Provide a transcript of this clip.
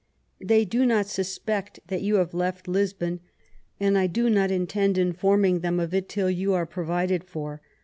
They do not suspect that you have left Lisbon, and I do not intend informing them of it till you are provided for.